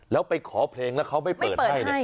แล้วไปขอเพลงแล้วเขาไม่เปิดให้เนี่ย